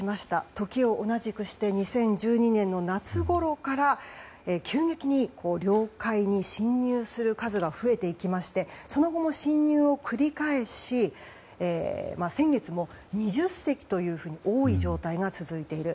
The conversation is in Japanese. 時を同じくして２０１２年の夏ごろから急激に領海に侵入する数が増えていきましてその後も侵入を繰り返し先月も、２０隻と多い状態が続いている。